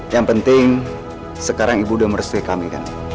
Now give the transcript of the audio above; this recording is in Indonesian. yang penting sekarang ibu udah merestui kami